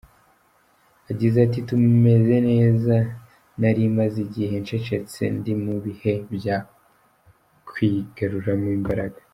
Yagize ati "Tumeze neza, nari maze igihe ncecetse, ndi mu bihe bya kwigaruramo imbaraga.